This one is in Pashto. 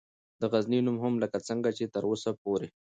دغزنی نوم هم لکه څنګه چې تراوسه پورې